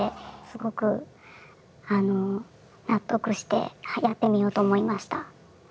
すごく納得してやってみようと思いました。